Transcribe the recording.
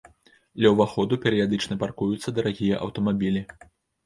Ля ўваходу перыядычна паркуюцца дарагія аўтамабілі.